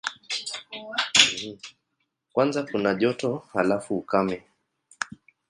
Kwanza kuna joto, halafu ukame.